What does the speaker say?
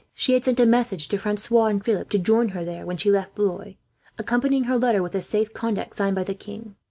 She had sent a message to Francois and Philip to join her there, when she left Blois; accompanying her letter with a safe conduct signed by the king.